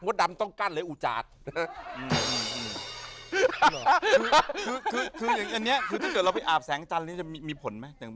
คือถ้าเราไปอาบแสงจันทร์มันจะมีผลไหม